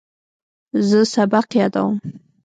زه سبق یادوم.